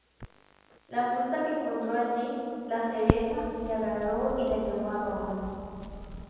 La fruta que encontró allí, la cereza, le agradó y la llevó a Roma.